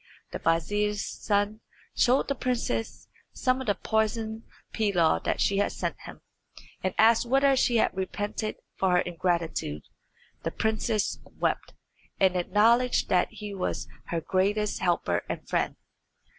The vizier's son showed the princess some of the poisoned pilaw that she had sent him, and asked whether she had repented of her ingratitude. The princess wept, and acknowledged that he was her greatest helper and friend.